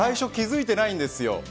最初気付いていないんですよ。